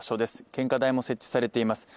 献花台も設置されています